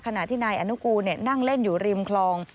ขณะที่นายอนุกูลนั่งเล่นอยู่ริมคลอง